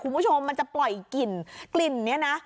ครูผู้ชมมันจะปล่อยกลิ่น